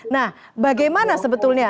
nah bagaimana sebetulnya